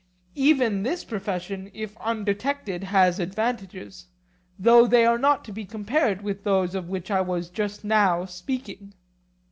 Even this profession if undetected has advantages, though they are not to be compared with those of which I was just now speaking.